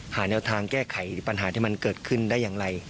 หาแนวทางแก้ไขปัญหาที่มันเกิดขึ้นได้อย่างไร